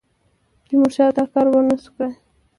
تیمورشاه دا کار ونه سو کړای.